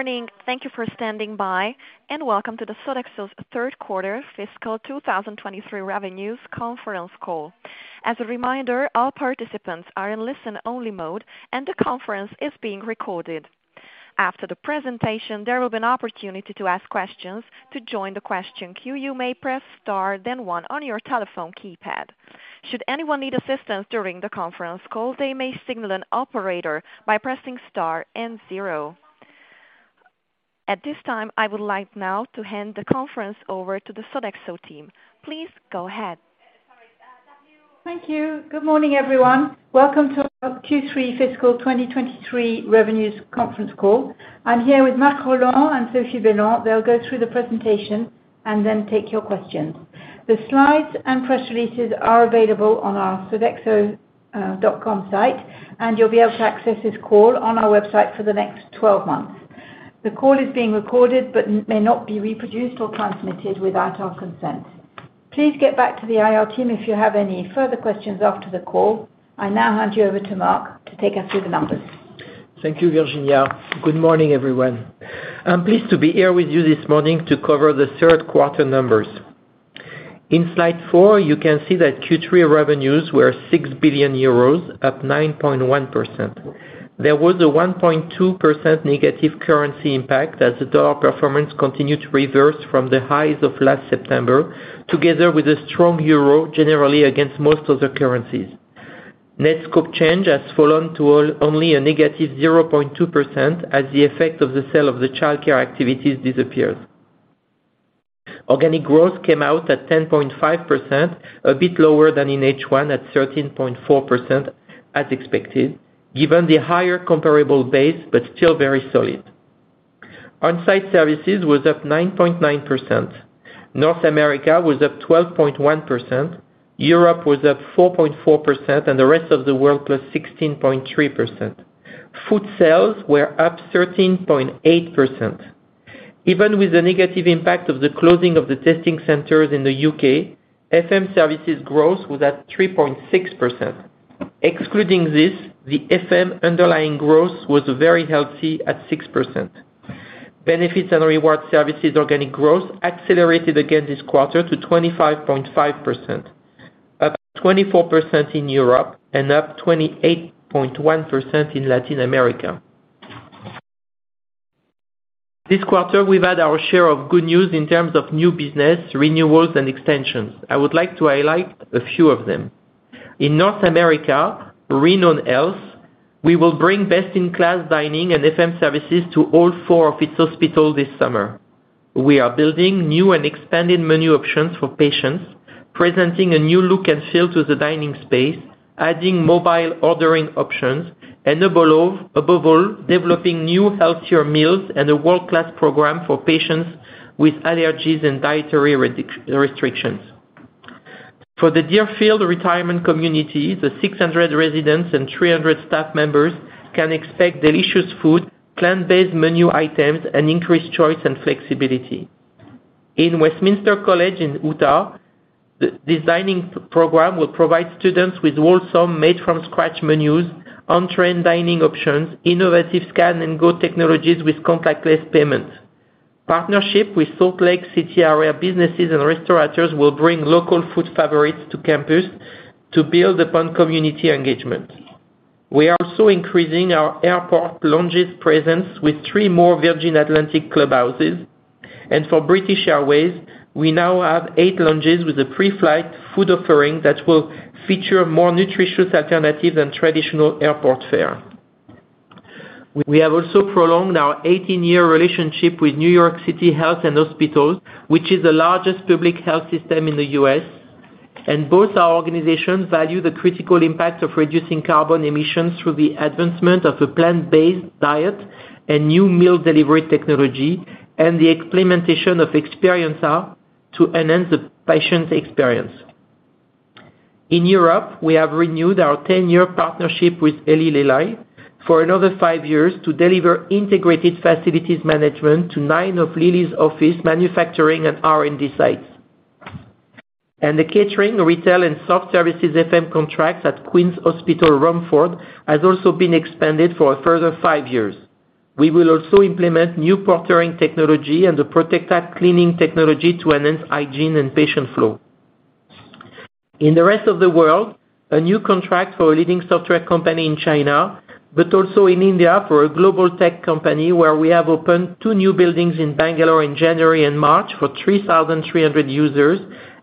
Good morning. Thank you for standing by. Welcome to the Sodexo's third quarter fiscal 2023 revenues conference call. As a reminder, all participants are in listen-only mode. The conference is being recorded. After the presentation, there will be an opportunity to ask questions. To join the question queue, you may press star then one on your telephone keypad. Should anyone need assistance during the conference call, they may signal an operator by pressing star and zero. At this time, I would like now to hand the conference over to the Sodexo team. Please go ahead. Thank you. Good morning, everyone. Welcome to our Q3 fiscal 2023 revenues conference call. I'm here with Marc Rolland and Sophie Bellon. They'll go through the presentation and then take your questions. The slides and press releases are available on our Sodexo.com site, and you'll be able to access this call on our website for the next 12 months. The call is being recorded, but may not be reproduced or transmitted without our consent. Please get back to the IR team if you have any further questions after the call. I now hand you over to Marc to take us through the numbers. Thank you, Virginia. Good morning, everyone. I'm pleased to be here with you this morning to cover the third quarter numbers. In slide four, you can see that Q3 revenues were 6 billion euros, up 9.1%. There was a 1.2%- currency impact, as the dollar performance continued to reverse from the highs of last September, together with a strong euro, generally against most other currencies. Net scope change has fallen to only a negative 0.2% as the effect of the sale of the childcare activities disappears. Organic growth came out at 10.5%, a bit lower than in H1, at 13.4%, as expected, given the higher comparable base, but still very solid. On-site services was up 9.9%. North America was up 12.1%, Europe was up 4.4%, and the rest of the world plus 16.3%. Food sales were up 13.8%. Even with the negative impact of the closing of the testing centers in the U.K., FM services growth was at 3.6%. Excluding this, the FM underlying growth was very healthy at 6%. Benefits and reward services organic growth accelerated again this quarter to 25.5%, up 24% in Europe and up 28.1% in Latin America. This quarter, we've had our share of good news in terms of new business, renewals, and extensions. I would like to highlight a few of them. In North America, Renown Health, we will bring best-in-class dining and FM services to all four of its hospitals this summer. We are building new and expanded menu options for patients, presenting a new look and feel to the dining space, adding mobile ordering options, and above all, developing new healthier meals and a world-class program for patients with allergies and dietary restrictions. For the Deerfield Retirement Community, the 600 residents and 300 staff members can expect delicious food, plant-based menu items, and increased choice and flexibility. In Westminster College in Utah, the designing program will provide students with wholesome, made-from-scratch menus, on-trend dining options, innovative scan-and-go technologies with contactless payment. Partnership with Salt Lake City area businesses and restaurateurs will bring local food favorites to campus to build upon community engagement. We are also increasing our airport lounges presence with three more Virgin Atlantic Clubhouses. For British Airways, we now have eight lounges with a pre-flight food offering that will feature more nutritious alternatives than traditional airport fare. We have also prolonged our 18-year relationship with NYC Health + Hospitals, which is the largest public health system in the U.S. Both our organizations value the critical impact of reducing carbon emissions through the advancement of a plant-based diet and new meal delivery technology, and the implementation of Experiencia to enhance the patient experience. In Europe, we have renewed our 10-year partnership with Eli Lilly for another five years to deliver integrated facilities management to nine of Lilly's office, manufacturing and R&D sites. The catering, retail, and soft services FM contracts at Queen's Hospital Romford has also been expanded for a further five years. We will also implement new portering technology and the Protecta cleaning technology to enhance hygiene and patient flow. In the rest of the world, a new contract for a leading software company in China, but also in India for a global tech company, where we have opened two new buildings in Bangalore in January and March for 3,300 users.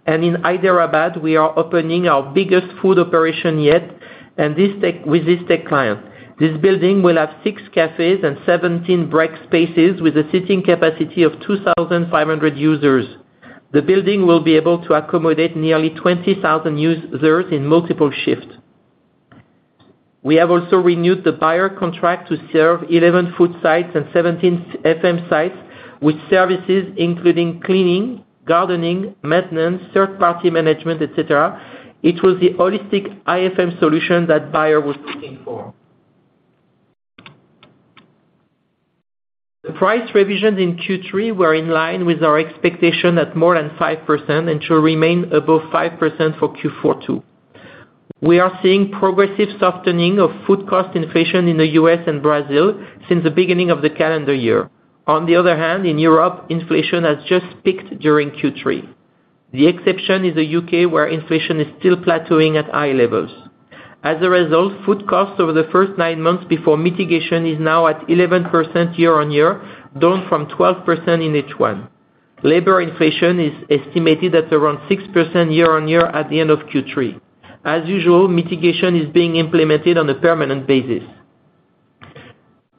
In Hyderabad, we are opening our biggest food operation yet with this tech client. This building will have six cafes and 17 break spaces with a sitting capacity of 2,500 users. The building will be able to accommodate nearly 20,000 users in multiple shifts. We have also renewed the Bayer contract to serve 11 food sites and 17 FM sites with services including cleaning, gardening, maintenance, third-party management, et cetera. It was the holistic IFM solution that Bayer was looking for. The price revisions in Q3 were in line with our expectation at more than 5%, and should remain above 5% for Q4, too. We are seeing progressive softening of food cost inflation in the U.S. and Brazil since the beginning of the calendar year. On the other hand, in Europe, inflation has just peaked during Q3. The exception is the U.K., where inflation is still plateauing at high levels. As a result, food costs over the first nine months before mitigation is now at 11% year-on-year, down from 12% in H1. Labor inflation is estimated at around 6% year-on-year at the end of Q3. As usual, mitigation is being implemented on a permanent basis.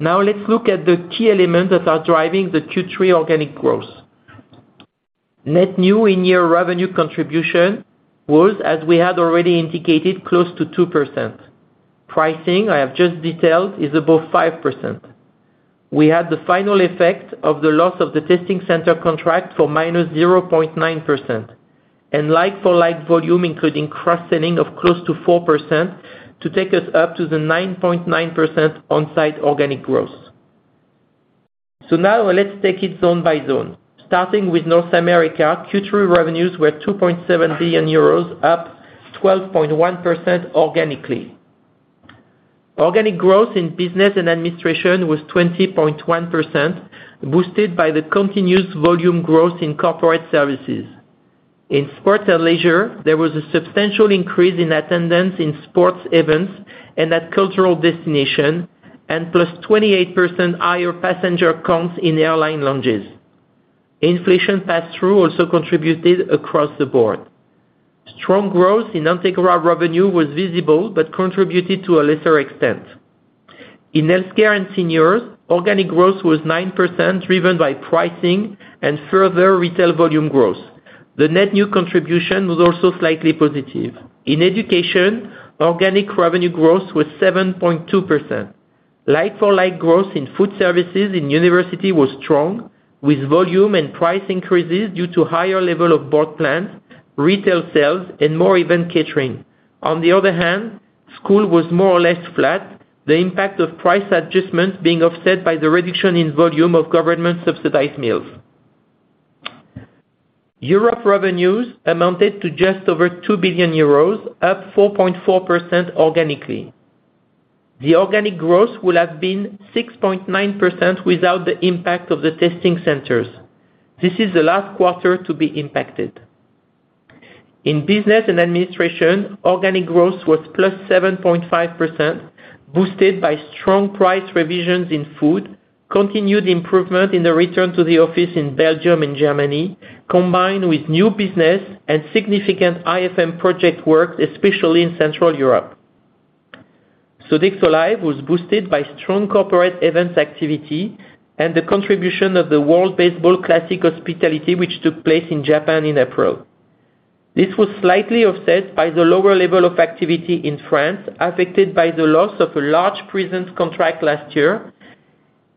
Let's look at the key elements that are driving the Q3 organic growth. Net new in-year revenue contribution was, as we had already indicated, close to 2%. Pricing, I have just detailed, is above 5%. We had the final effect of the loss of the testing center contract for -0.9%, like-for-like volume, including cross-selling of close to 4%, to take us up to the 9.9% on-site organic growth. Now let's take it zone by zone, starting with North America. Q3 revenues were 2.7 billion euros, up 12.1% organically. Organic growth in business and administration was 20.1%, boosted by the continuous volume growth in corporate services. In sports and leisure, there was a substantial increase in attendance in sports events and at cultural destination, +28% higher passenger counts in airline lounges. Inflation pass-through also contributed across the board. Strong growth in Entegra revenue was visible, but contributed to a lesser extent. In healthcare and seniors, organic growth was 9%, driven by pricing and further retail volume growth. The net new contribution was also slightly positive. In education, organic revenue growth was 7.2%. Like-for-like growth in food services in university was strong, with volume and price increases due to higher level of board plans, retail sales, and more event catering. School was more or less flat, the impact of price adjustments being offset by the reduction in volume of government-subsidized meals. Europe revenues amounted to just over 2 billion euros, up 4.4% organically. The organic growth would have been 6.9% without the impact of the testing centers. This is the last quarter to be impacted. In business and administration, organic growth was +7.5%, boosted by strong price revisions in food, continued improvement in the return to the office in Belgium and Germany, combined with new business and significant IFM project work, especially in Central Europe. Sodexo Live! was boosted by strong corporate events activity and the contribution of the World Baseball Classic Hospitality, which took place in Japan in April. This was slightly offset by the lower level of activity in France, affected by the loss of a large prison contract last year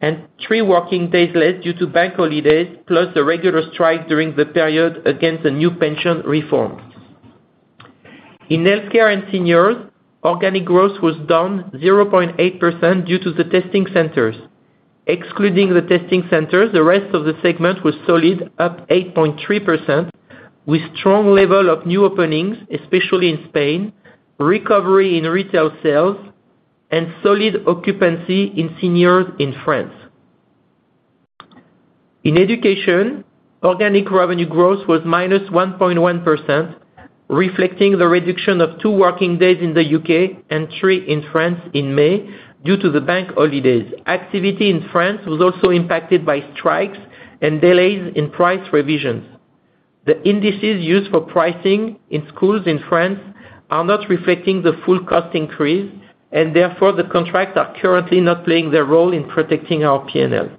and three working days less due to bank holidays, plus a regular strike during the period against a new pension reform. In healthcare and seniors, organic growth was -0.8% due to the testing centers. Excluding the testing centers, the rest of the segment was solid, up 8.3%, with strong level of new openings, especially in Spain, recovery in retail sales, and solid occupancy in seniors in France. In education, organic revenue growth was -1.1%, reflecting the reduction of two working days in the U.K. and three in France in May, due to the bank holidays. Activity in France was also impacted by strikes and delays in price revisions. The indices used for pricing in schools in France are not reflecting the full cost increase. Therefore, the contracts are currently not playing their role in protecting our P&L.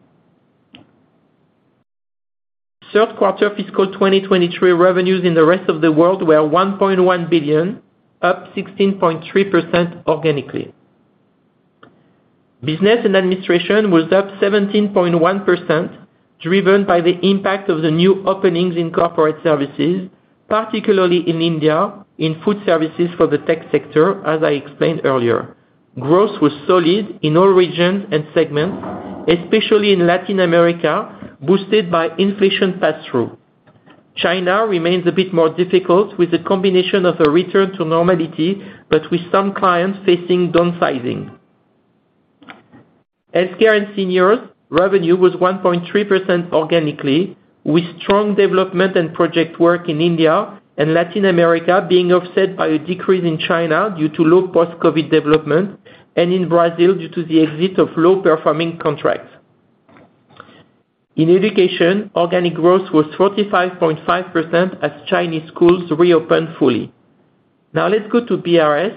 Third quarter fiscal 2023 revenues in the rest of the world were 1.1 billion, up 16.3% organically. Business and administration was up 17.1%, driven by the impact of the new openings in corporate services, particularly in India, in food services for the tech sector, as I explained earlier. Growth was solid in all regions and segments, especially in Latin America, boosted by inflation pass-through. China remains a bit more difficult, with a combination of a return to normality, but with some clients facing downsizing. Healthcare and seniors revenue was 1.3% organically, with strong development and project work in India and Latin America being offset by a decrease in China due to low post-COVID development, and in Brazil, due to the exit of low-performing contracts. In education, organic growth was 45.5%, as Chinese schools reopened fully. Let's go to BRS.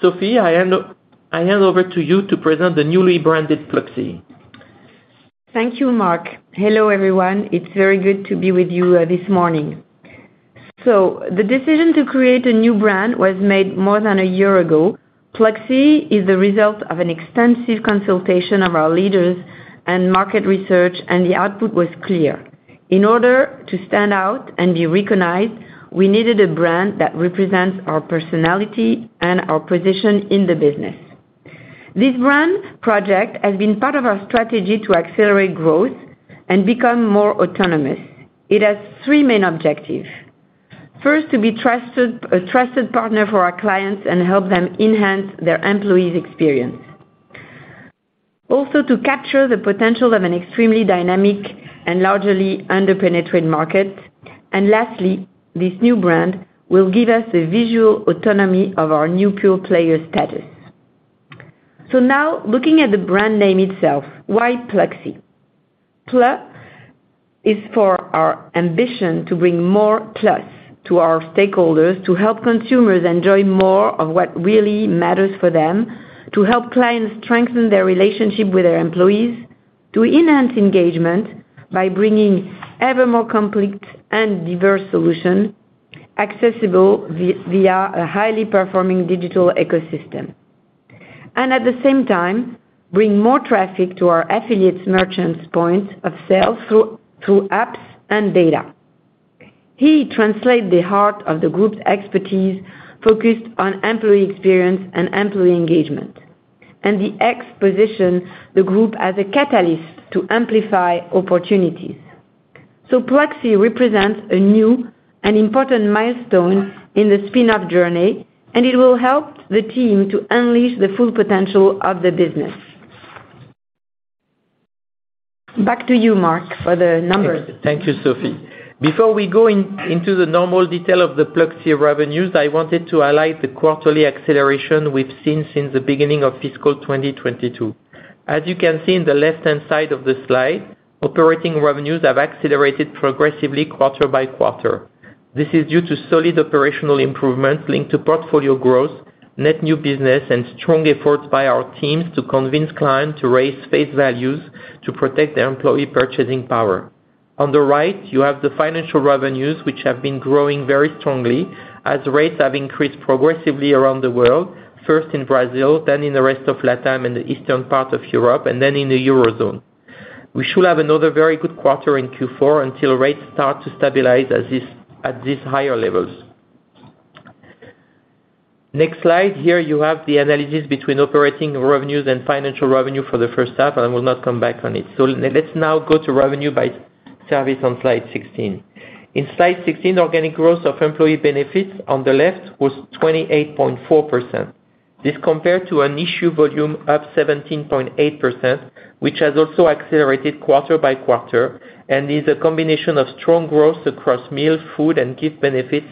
Sophie, I hand over to you to present the newly branded Pluxee. Thank you, Marc Rolland. Hello, everyone. It's very good to be with you this morning. The decision to create a new brand was made more than a year ago. Pluxee is the result of an extensive consultation of our leaders and market research. The output was clear. In order to stand out and be recognized, we needed a brand that represents our personality and our position in the business. This brand project has been part of our strategy to accelerate growth and become more autonomous. It has three main objectives. First, to be trusted, a trusted partner for our clients and help them enhance their employees' experience. Also, to capture the potential of an extremely dynamic and largely under-penetrated market. Lastly, this new brand will give us the visual autonomy of our new pure player status. Now, looking at the brand name itself, why Pluxee? Pluxee is for our ambition to bring more plus to our stakeholders, to help consumers enjoy more of what really matters for them, to help clients strengthen their relationship with their employees, to enhance engagement by bringing ever more complete and diverse solution accessible via a highly performing digital ecosystem, and at the same time, bring more traffic to our affiliates merchants points of sale through apps and data. He translate the heart of the group's expertise, focused on employee experience and employee engagement, and the X position the group as a catalyst to amplify opportunities. Pluxee represents a new and important milestone in the spin-off journey, and it will help the team to unleash the full potential of the business. Back to you, Marc, for the numbers. Thank you, Sophie. Before we go into the normal detail of the Pluxee revenues, I wanted to highlight the quarterly acceleration we've seen since the beginning of fiscal 2022. As you can see in the left-hand side of the slide, operating revenues have accelerated progressively quarter by quarter. This is due to solid operational improvements linked to portfolio growth, net new business, and strong efforts by our teams to convince clients to raise face values to protect their employee purchasing power. On the right, you have the financial revenues, which have been growing very strongly as rates have increased progressively around the world, first in Brazil, then in the rest of Latam and the eastern part of Europe, then in the Eurozone. We should have another very good quarter in Q4 until rates start to stabilize at these higher levels. Next slide. Here, you have the analysis between operating revenues and financial revenue for the first half, and I will not come back on it. Let's now go to revenue by service on slide 16. In slide 16, organic growth of employee benefits on the left was 28.4%. This compared to an issue volume up 17.8%, which has also accelerated quarter by quarter and is a combination of strong growth across meal, food, and gift benefits,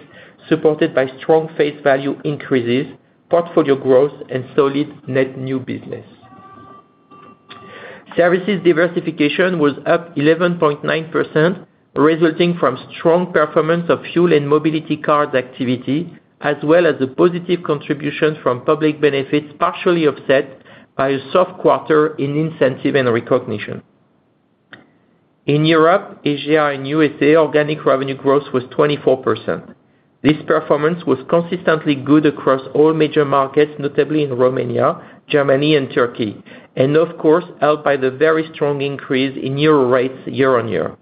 supported by strong face value increases, portfolio growth, and solid net new business. Services diversification was up 11.9%, resulting from strong performance of fuel and mobility cards activity, as well as the positive contribution from public benefits, partially offset by a soft quarter in incentive and recognition. In Europe, Asia, and USA, organic revenue growth was 24%. This performance was consistently good across all major markets, notably in Romania, Germany, and Turkey, of course, helped by the very strong increase in euro rates year-on-year.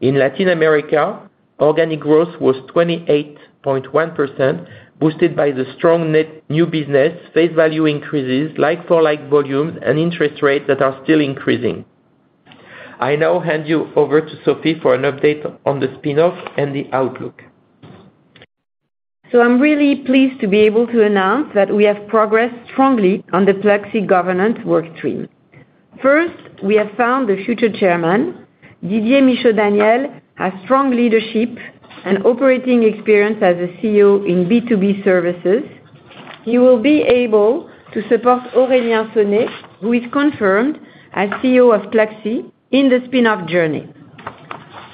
In Latin America, organic growth was 28.1%, boosted by the strong net new business, face value increases, like-for-like volumes, and interest rates that are still increasing. I now hand you over to Sophie for an update on the spin-off and the outlook. I'm really pleased to be able to announce that we have progressed strongly on the Pluxee governance work stream. First, we have found the future chairman, Didier Michaud-Daniel, has strong leadership and operating experience as a CEO in B2B services. He will be able to support Aurélien Sonet, who is confirmed as CEO of Pluxee, in the spin-off journey.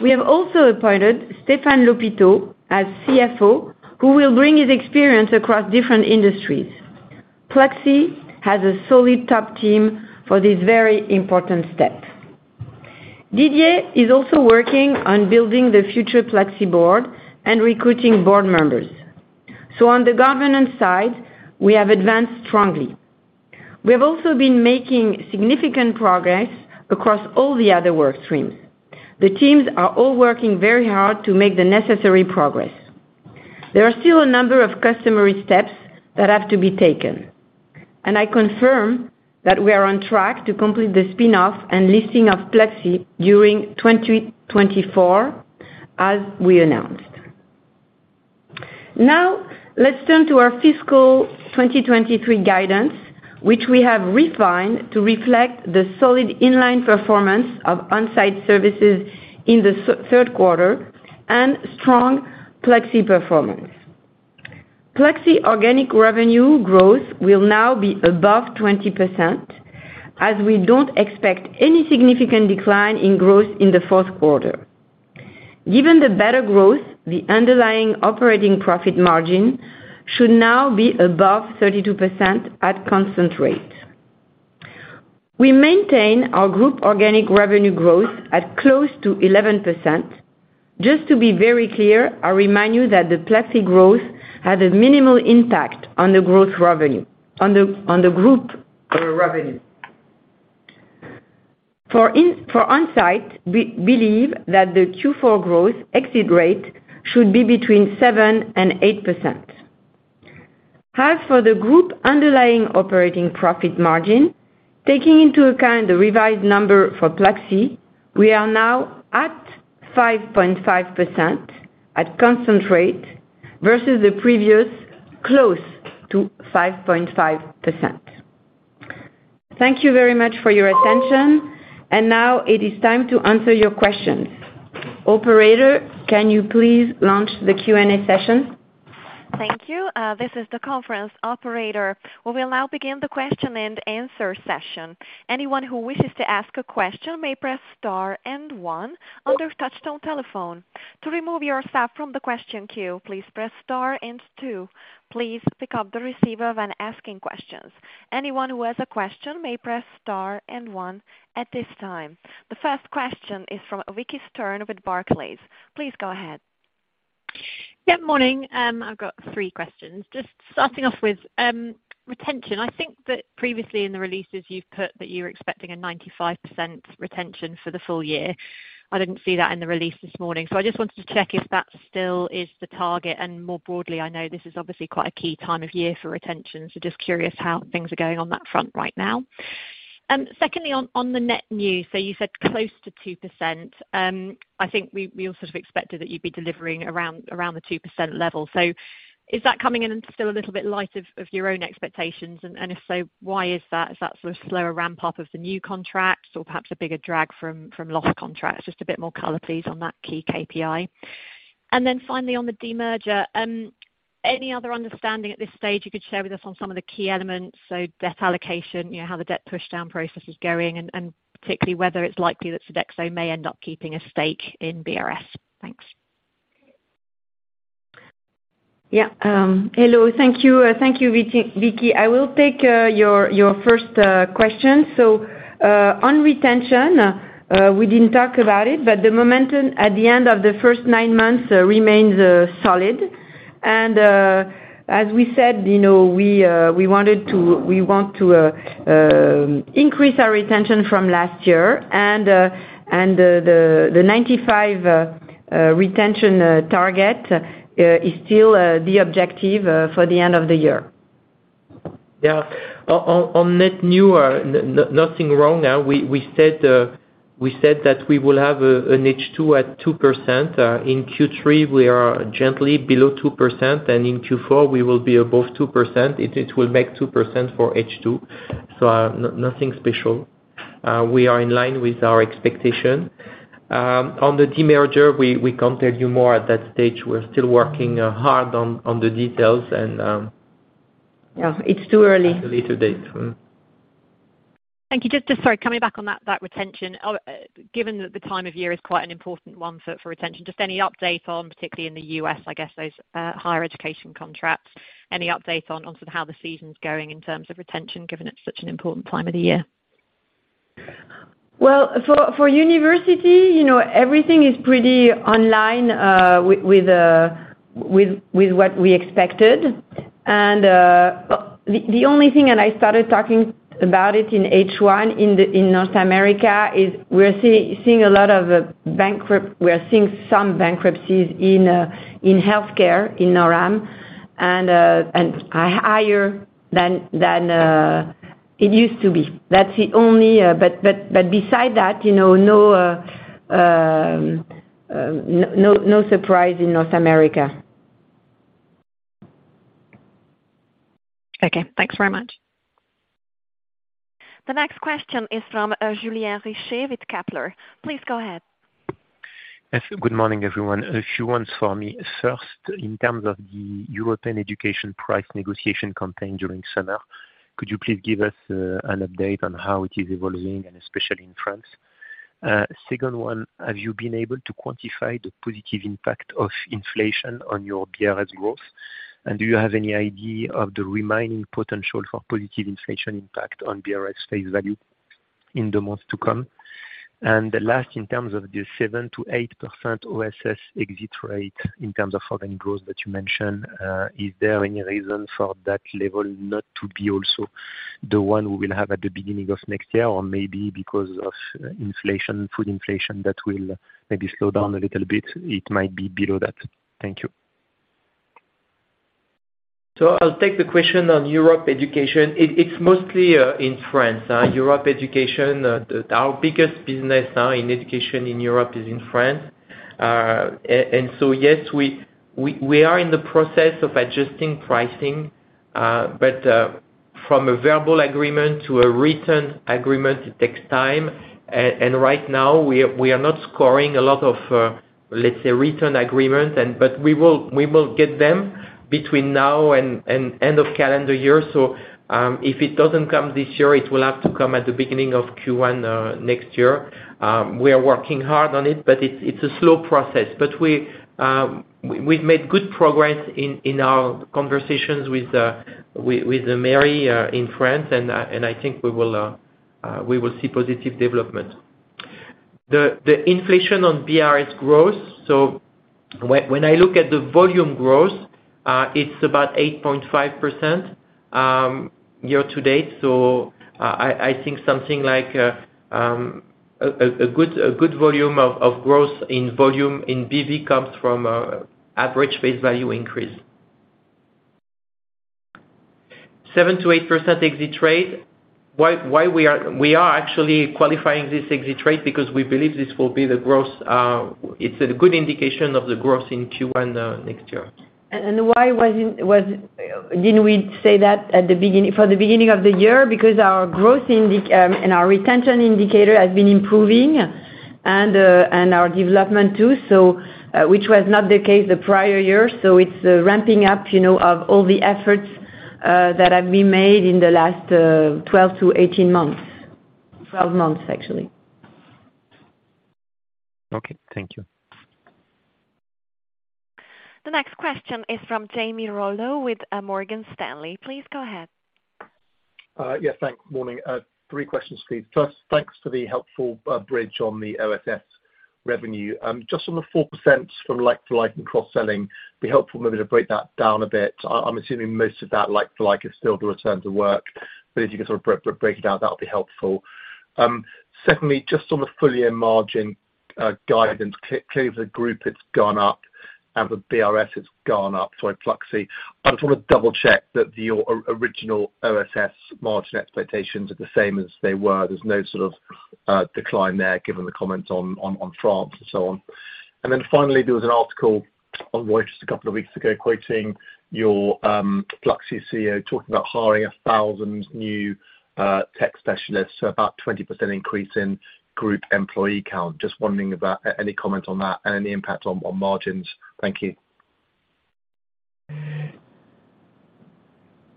We have also appointed Stéphane Lhopiteau as CFO, who will bring his experience across different industries. Pluxee has a solid top team for this very important step. Didier is also working on building the future Pluxee board and recruiting board members. On the governance side, we have advanced strongly. We have also been making significant progress across all the other work streams. The teams are all working very hard to make the necessary progress. There are still a number of customary steps that have to be taken. I confirm that we are on track to complete the spin-off and listing of Pluxee during 2024, as we announced. Let's turn to our fiscal 2023 guidance, which we have refined to reflect the solid in-line performance of on-site services in the third quarter and strong Pluxee performance. Pluxee organic revenue growth will now be above 20%, as we don't expect any significant decline in growth in the fourth quarter. Given the better growth, the underlying operating profit margin should now be above 32% at constant rate. We maintain our group organic revenue growth at close to 11%. Just to be very clear, I remind you that the Pluxee growth had a minimal impact on the group overall revenue. for Onsite, we believe that the Q4 growth exit rate should be between 7% and 8%. As for the group underlying operating profit margin, taking into account the revised number for Pluxee, we are now at 5.5% at constant rate versus the previous close to 5.5%. Thank you very much for your attention. Now it is time to answer your questions. Operator, can you please launch the Q&A session? Thank you. This is the conference operator. We will now begin the question and answer session. Anyone who wishes to ask a question may press star one on their touchtone telephone. To remove yourself from the question queue, please press star two. Please pick up the receiver when asking questions. Anyone who has a question may press star 1 at this time. The first question is from Vicki Stern with Barclays. Please go ahead. Yeah, morning. I've got three questions. Just starting off with retention. I think that previously in the releases you've put that you were expecting a 95% retention for the full year. I didn't see that in the release this morning, so I just wanted to check if that still is the target. More broadly, I know this is obviously quite a key time of year for retention, so just curious how things are going on that front right now. Secondly, on the net new, so you said close to 2%. I think we all sort of expected that you'd be delivering around the 2% level. Is that coming in still a little bit light of your own expectations? If so, why is that? Is that sort of slower ramp up of the new contracts or perhaps a bigger drag from lost contracts? Just a bit more color, please, on that key KPI. Then finally, on the demerger, any other understanding at this stage you could share with us on some of the key elements? Debt allocation, you know, how the debt pushdown process is going, and particularly whether it's likely that Sodexo may end up keeping a stake in BRS. Thanks. Hello. Thank you, Vicki. I will take your first question. On retention, we didn't talk about it, but the momentum at the end of the first nine months remains solid. As we said, you know, we wanted to, we want to increase our retention from last year and the 95% retention target is still the objective for the end of the year. Yeah. On net new, nothing wrong. We said that we will have an H2 at 2%. In Q3, we are gently below 2%, and in Q4 we will be above 2%. It will make 2% for H2, so nothing special. We are in line with our expectation. On the demerger, we can't tell you more at that stage. We're still working hard on the details and. Yeah, it's too early. At a later date. Mm-hmm. Thank you. Just sorry, coming back on that retention. Given that the time of year is quite an important one for retention, just any update on, particularly in the U.S., I guess, those higher education contracts? Any update on sort of how the season's going in terms of retention, given it's such an important time of the year? Well, for university, you know, everything is pretty online, with what we expected. The only thing, and I started talking about it in H1, in North America, is we're seeing some bankruptcies in healthcare, in NorAm, and higher than it used to be. That's the only. Beside that, you know, no surprise in North America. Okay. Thanks very much. The next question is from, Julien Richer with Kepler. Please go ahead. Yes. Good morning, everyone. A few ones for me. First, in terms of the European education price negotiation contained during summer, could you please give us an update on how it is evolving, and especially in France? Second one, have you been able to quantify the positive impact of inflation on your BRS growth? Do you have any idea of the remaining potential for positive inflation impact on BRS face value in the months to come? Last, in terms of the 7%-8% OSS exit rate, in terms of organic growth that you mentioned, is there any reason for that level not to be also the one we will have at the beginning of next year? Maybe because of inflation, food inflation, that will maybe slow down a little bit, it might be below that. Thank you. I'll take the question on Europe education. It's mostly in France, Europe education, our biggest business now in education in Europe is in France. Yes, we are in the process of adjusting pricing, from a verbal agreement to a written agreement, it takes time. Right now, we are not scoring a lot of, let's say, written agreement, we will get them between now and end of calendar year. If it doesn't come this year, it will have to come at the beginning of Q1 next year. We are working hard on it's a slow process. We've made good progress in our conversations with mairie, in France, and I think we will see positive development. The inflation on BRS growth, when I look at the volume growth, it's about 8.5% year to date, so I think something like a good volume of growth in volume in BV comes from average face value increase. 7%-8% exit rate. Why we are actually qualifying this exit rate because we believe this will be the growth, it's a good indication of the growth in Q1 next year. Why wasn't, didn't we say that at the beginning, for the beginning of the year? Because our growth and our retention indicator has been improving and our development too, so which was not the case the prior year. It's ramping up, you know, of all the efforts that have been made in the last 12 to 18 months. 12 months, actually. Okay, thank you. The next question is from Jamie Rollo with Morgan Stanley. Please go ahead. Yes, thanks. Morning. Three questions for you. First, thanks for the helpful bridge on the OSS revenue. Just on the 4% from like-to-like and cross-selling, it'd be helpful maybe to break that down a bit. I'm assuming most of that like-for-like is still the return to work, but if you could sort of break it down, that would be helpful. Secondly, just on the full year margin guidance, clearly the group it's gone up and the BRS it's gone up, so has Pluxee. I just wanna double check that your original OSS margin expectations are the same as they were. There's no sort of decline there, given the comments on France and so on. Finally, there was an article on Reuters just a couple of weeks ago, quoting your Pluxee CEO talking about hiring 1,000 new tech specialists, about 20% increase in group employee count. Just wondering about any comment on that and any impact on margins. Thank you.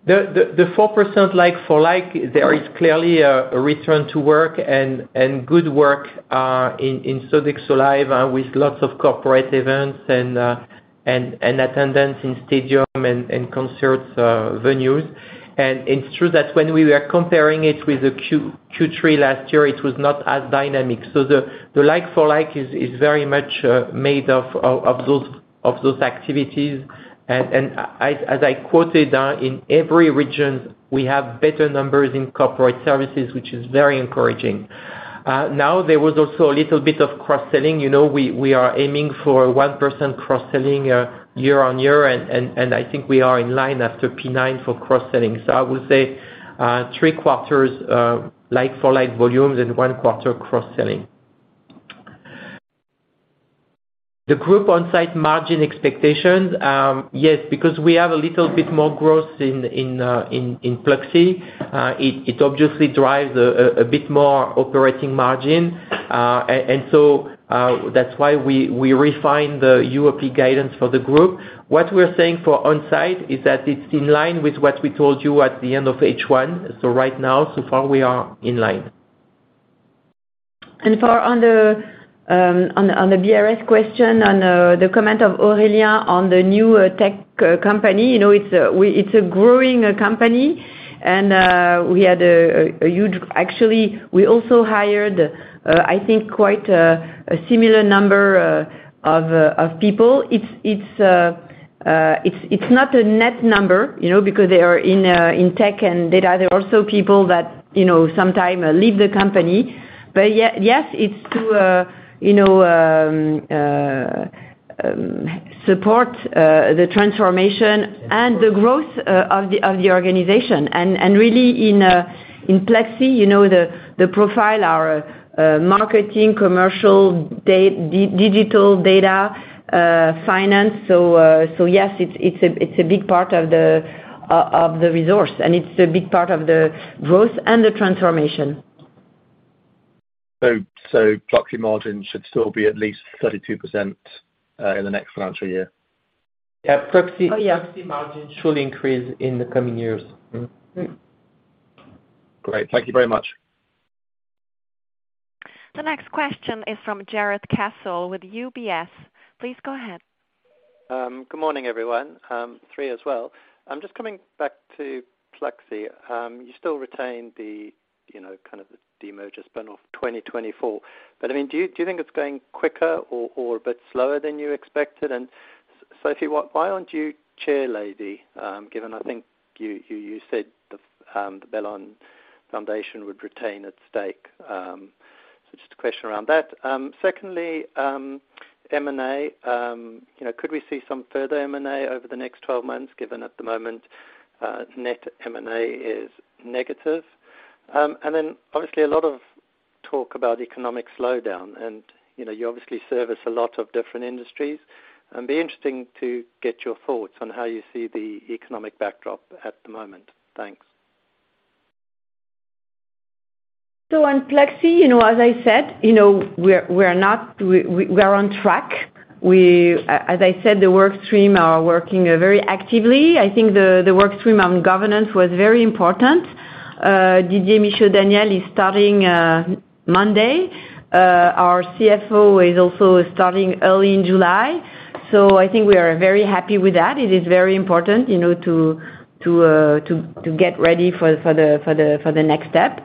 The 4% like for like, there is clearly a return to work and good work in Sodexo Live! with lots of corporate events and attendance in stadium and concerts venues. It's true that when we were comparing it with the Q3 last year, it was not as dynamic. The like for like is very much made of those activities. As I quoted, in every region, we have better numbers in corporate services, which is very encouraging. Now, there was also a little bit of cross-selling. You know, we are aiming for 1% cross-selling year on year, and I think we are in line after P9 for cross-selling. I would say, three quarters like for like volumes and one quarter cross-selling. The group on-site margin expectations, yes, because we have a little bit more growth in Pluxee, it obviously drives a bit more operating margin. That's why we refine the UOP guidance for the group. What we're saying for on-site, is that it's in line with what we told you at the end of H1. Right now, so far, we are in line. For on the BRS question, on the comment of Aurélien on the new tech company, you know, it's a growing company, and we had a huge. Actually, we also hired, I think quite a similar number of people. It's not a net number, you know, because they are in tech and data. There are also people that, you know, sometimes leave the company. Yes, it's to, you know, support the transformation and the growth of the organization. Really in Pluxee, you know, the profile are marketing, commercial, digital data, finance. So yes, it's a, it's a big part of the, of the resource, and it's a big part of the growth and the transformation. Pluxee margins should still be at least 32% in the next financial year? Yeah, Pluxee. Oh, yeah. Pluxee margins should increase in the coming years. Great. Thank you very much. The next question is from Jarrod Castle with UBS. Please go ahead. Good morning, everyone. Three as well. I'm just coming back to Pluxee. You still retain the, you know, kind of the demerger spin-off 2024. I mean, do you think it's going quicker or a bit slower than you expected? Sophie Bellon, why aren't you chair lady, given I think you said the Bellon SA would retain at stake? Just a question around that. Secondly, M&A. You know, could we see some further M&A over the next 12 months, given at the moment, net M&A is negative? Obviously a lot of talk about economic slowdown and, you know, you obviously service a lot of different industries, and it'd be interesting to get your thoughts on how you see the economic backdrop at the moment. Thanks. On Pluxee, you know, as I said, you know, we're not, we're on track. As I said, the work stream are working very actively. I think the work stream on governance was very important. Didier Michaud-Daniel is starting Monday. Our CFO is also starting early in July. I think we are very happy with that. It is very important, you know, to get ready for the next step.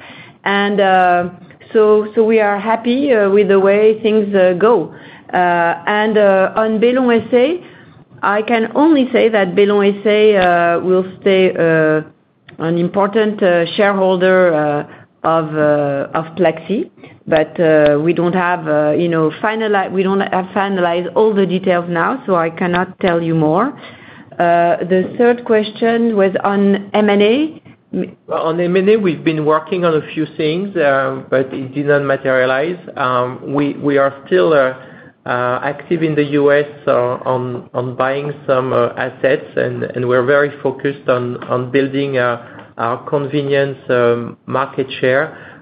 We are happy with the way things go. On Bellon SA, I can only say that Bellon SA will stay an important shareholder of Pluxee. we don't have, you know, we don't have finalized all the details now, so I cannot tell you more. The third question was on M&A? On M&A, we've been working on a few things. It didn't materialize. We are still active in the U.S. on buying some assets, and we're very focused on building our convenience market share.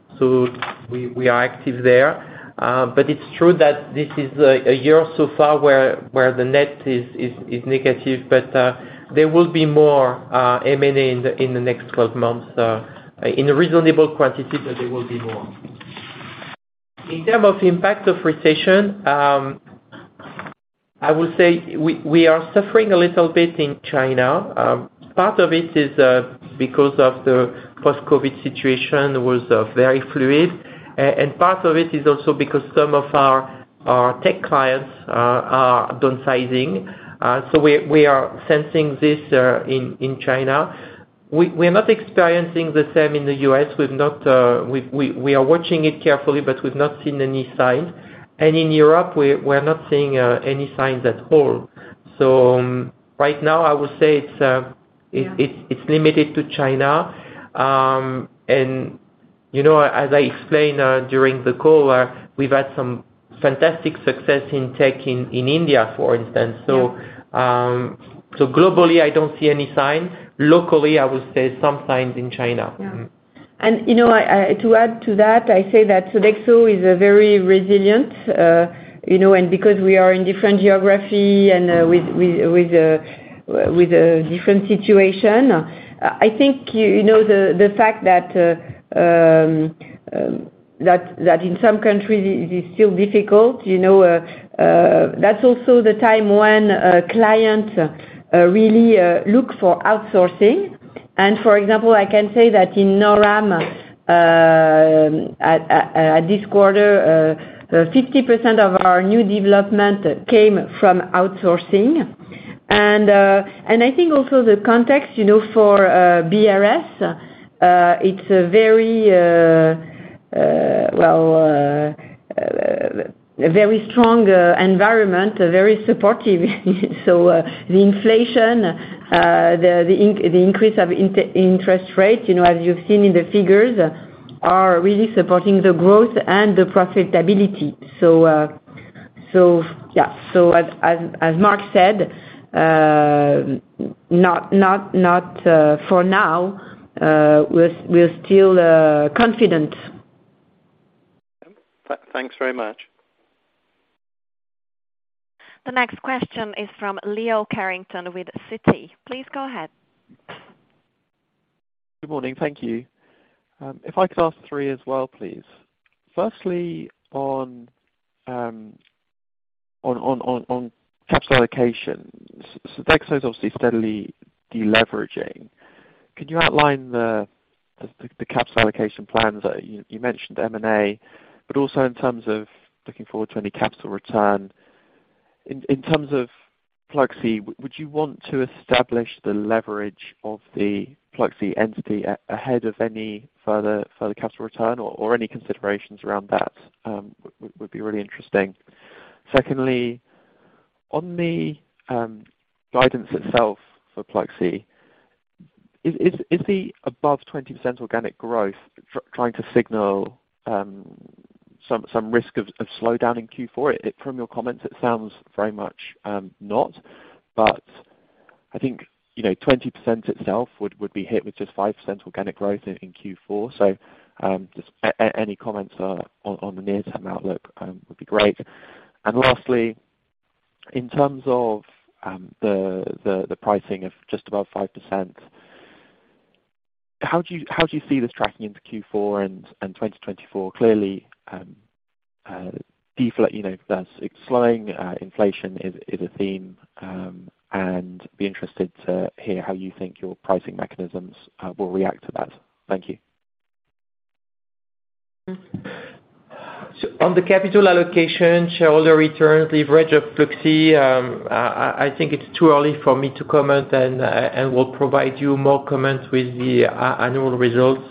We are active there. It's true that this is a year so far where the net is negative. There will be more M&A in the next 12 months. In a reasonable quantity. There will be more. In terms of impact of recession, I would say we are suffering a little bit in China. Part of it is because of the post-COVID situation was very fluid. Part of it is also because some of our tech clients are downsizing. We are sensing this in China. We're not experiencing the same in the U.S., we've not. We are watching it carefully, but we've not seen any signs. In Europe, we're not seeing any signs at all. Right now, I would say it's. Yeah. It's limited to China. You know, as I explained, during the call, we've had some fantastic success in tech in India, for instance. Yeah. Globally, I don't see any signs. Locally, I would say some signs in China. Yeah. You know, I, to add to that, I say that Sodexo is a very resilient, you know, because we are in different geography and with a different situation. I think, you know, the fact that in some countries it is still difficult, you know, that's also the time when clients really look for outsourcing. For example, I can say that in Noram, this quarter, 50% of our new development came from outsourcing. I think also the context, you know, for BRS, it's a very well, a very strong environment, very supportive. The inflation, the increase of interest rates, you know, as you've seen in the figures, are really supporting the growth and the profitability. Yeah. As Marc said, not for now, we're still confident. thanks very much. The next question is from Leo Carrington with Citi. Please go ahead. Good morning. Thank you. If I could ask three as well, please. Firstly, on capital allocation, Sodexo's obviously steadily deleveraging. Could you outline the capital allocation plans that you mentioned M&A, but also in terms of looking forward to any capital return, in terms of Pluxee, would you want to establish the leverage of the Pluxee entity ahead of any further capital return or any considerations around that would be really interesting. Secondly, on the guidance itself for Pluxee, is the above 20% organic growth trying to signal some risk of slowdown in Q4? From your comments, it sounds very much not, but I think, you know, 20% itself would be hit with just 5% organic growth in Q4. Any comments on the near-term outlook would be great. And lastly, in terms of the pricing of just above 5%, how do you see this tracking into Q4 and 2024? Clearly, you know, slowing inflation is a theme, and be interested to hear how you think your pricing mechanisms will react to that. Thank you. On the capital allocation, shareholder returns, leverage of Pluxee, I think it's too early for me to comment, and we'll provide you more comments with the annual results.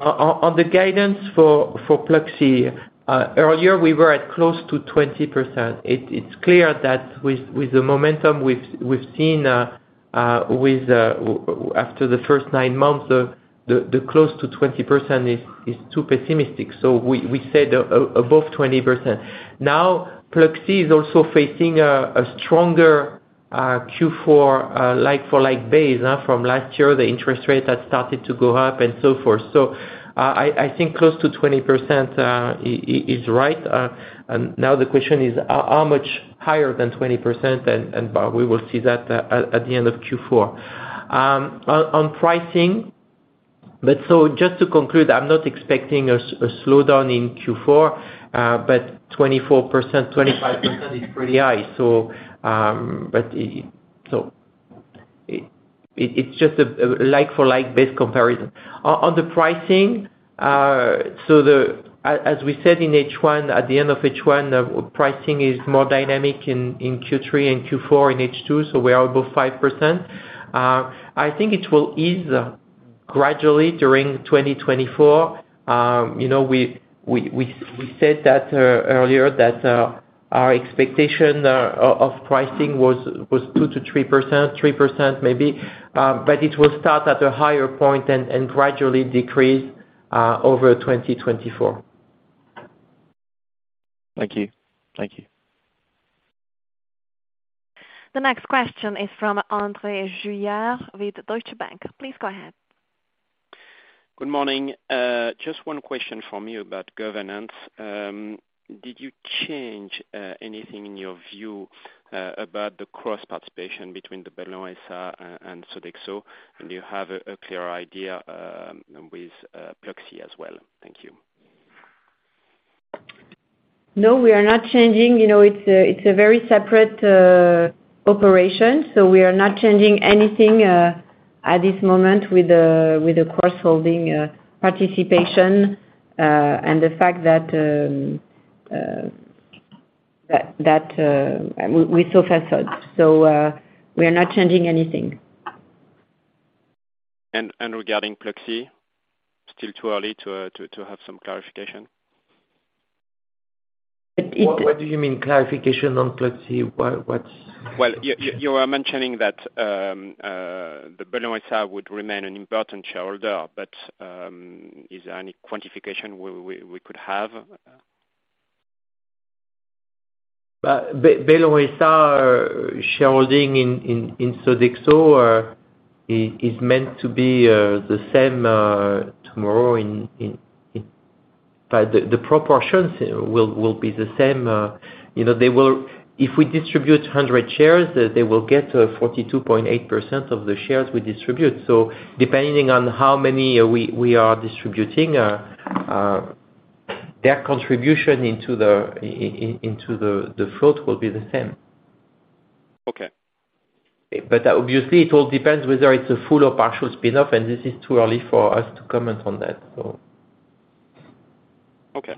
On the guidance for Pluxee, earlier we were at close to 20%. It's clear that with the momentum we've seen after the first nine months, the close to 20% is too pessimistic, so we said above 20%. Pluxee is also facing a stronger Q4 like-for-like base from last year, the interest rate that started to go up and so forth. I think close to 20% is right. Now the question is how much higher than 20%, but we will see that at the end of Q4. On pricing. Just to conclude, I'm not expecting a slowdown in Q4, but 24%, 25% is pretty high. But it's just a like for like base comparison. On the pricing, as we said in H1, at the end of H1, pricing is more dynamic in Q3 and Q4 in H2, so we are above 5%. I think it will ease gradually during 2024. You know, we said that earlier, that our expectation of pricing was 2%-3%, 3% maybe. It will start at a higher point and gradually decrease, over 2024. Thank you. Thank you. The next question is from André Juillard with Deutsche Bank. Please go ahead. Good morning. Just one question from you about governance. Did you change anything in your view about the cross participation between the Bellon SA and Sodexo? Do you have a clear idea with Pluxee as well? Thank you. No, we are not changing. You know, it's a, it's a very separate operation, so we are not changing anything at this moment with the, with the cross-holding participation. The fact that, with Sofinsod. We are not changing anything. Regarding Pluxee, still too early to have some clarification? What do you mean clarification on Pluxee? What's? Well, you were mentioning that the Bellon SA would remain an important shareholder, but is there any quantification we could have? Bellon SA shareholding in Sodexo is meant to be the same tomorrow. The proportions will be the same. You know, they will. If we distribute 100 shares, they will get 42.8% of the shares we distribute. Depending on how many we are distributing, their contribution into the float will be the same. Okay. Obviously, it all depends whether it's a full or partial spin-off, and this is too early for us to comment on that, so. Okay.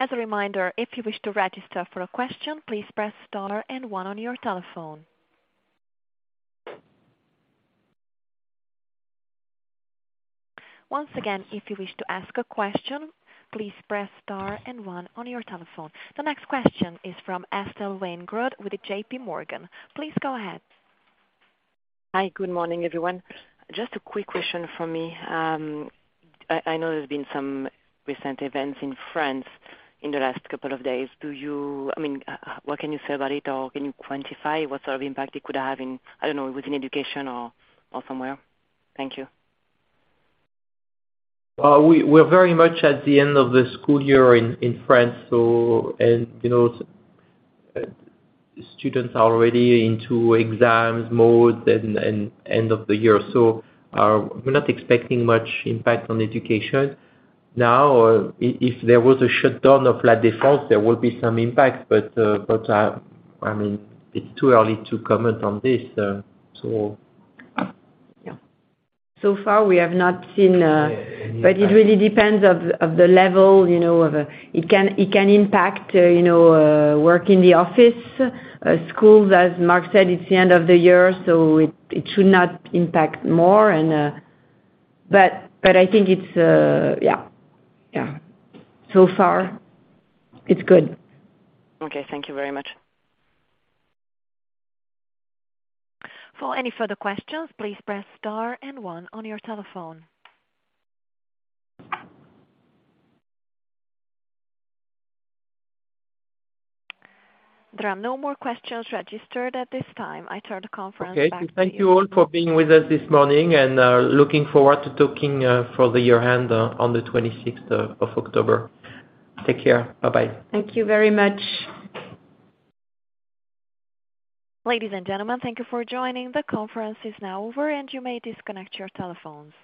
As a reminder, if you wish to register for a question, please press star and one on your telephone. Once again, if you wish to ask a question, please press star and one on your telephone. The next question is from Estelle Weingrod with JPMorgan. Please go ahead. Hi, good morning, everyone. Just a quick question from me. I know there's been some recent events in France in the last couple of days. I mean, what can you say about it? Can you quantify what sort of impact it could have in, I don't know, within education or somewhere? Thank you. We're very much at the end of the school year in France. You know, students are already into exams mode and end of the year. We're not expecting much impact on education. Now, if there was a shutdown of La Défense, there would be some impact, but, I mean, it's too early to comment on this. Yeah. So far we have not seen. Any impact? It really depends of the level, you know, of. It can impact, you know, work in the office. Schools, as Marc said, it's the end of the year, so it should not impact more and. I think it's, yeah. So far, it's good. Okay, thank you very much. For any further questions, please press star and one on your telephone. There are no more questions registered at this time. I turn the conference back to you. Okay. Thank you all for being with us this morning. Looking forward to talking for the year end on the 26th of October. Take care. Bye-bye. Thank you very much. Ladies and gentlemen, thank you for joining. The conference is now over. You may disconnect your telephones.